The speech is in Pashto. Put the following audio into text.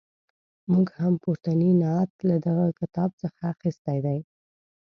موږ هم پورتنی نعت له دغه کتاب څخه اخیستی دی.